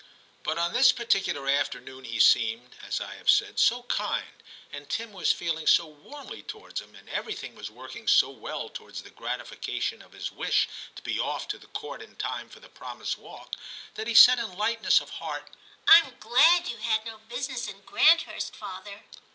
But on this particular afternoon he seemed, as I have said, so kind, and Tim was feeling so warmly towards him, and everything was working so well towards the gratification of his wish to be off* to the Court in time for the promised walk, that he said in the lightness of his heart, * I am 204 TIM CHAP. glad you had no business in Granthurst, father.'